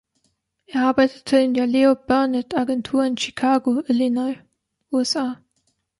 Er arbeitete in der Leo Burnett-Agentur in Chicago, Illinois (USA).